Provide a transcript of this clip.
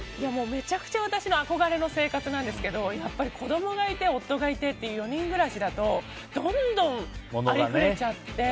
めちゃくちゃ私の憧れの生活なんですけどやっぱり子供がいて夫がいてという４人暮らしだとどんどんあふれちゃって。